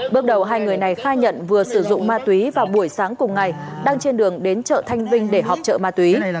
bước đầu hai người này khai nhận vừa sử dụng ma túy vào buổi sáng cùng ngày đang trên đường đến chợ thanh vinh để họp chợ ma túy